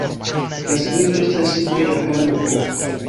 La signifo estas, simple, "japana bovo".